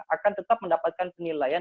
akan tetap mendapatkan penilaian